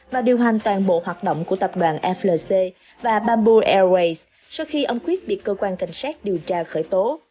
và điều hành toàn bộ hoạt động của tập đoàn flc và bamboo airways sau khi ông quyết bị cơ quan cảnh sát điều tra khởi tố